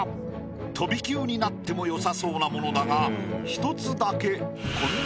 飛び級になってもよさそうなものだが。